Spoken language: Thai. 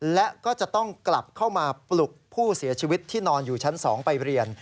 และก็จะต้องกลับเข้ามาปลุกผู้เสียชีวิตที่นอนอยู่ชั้น๒ไปเรียน